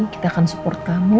kita akan support kamu